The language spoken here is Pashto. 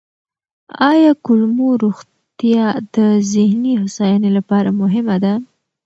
آیا کولمو روغتیا د ذهني هوساینې لپاره مهمه ده؟